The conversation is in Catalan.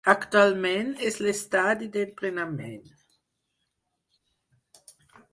Actualment és l'estadi d'entrenament.